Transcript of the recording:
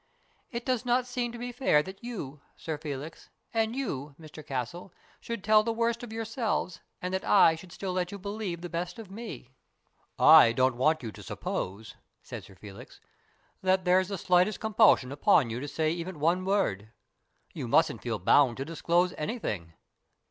It does not seem to be fair that you, Sir Felix, and you, Mr Castle, should tell the worst of yourselves, and that I should still let you believe the best of me," 96 STORIES IN GREY " I don't want you to suppose," said Sir Felix, " that there's the slightest compulsion upon you to say even one word. You mustn't feel bound to disclose anything."